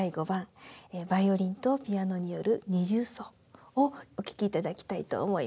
バイオリンとピアノによる二重奏をお聴き頂きたいと思います。